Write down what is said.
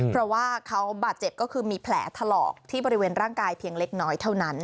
เพราะว่าเขาบาดเจ็บก็คือมีแผลถลอกที่บริเวณร่างกายเพียงเล็กน้อยเท่านั้น